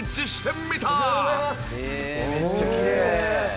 へえめっちゃきれい。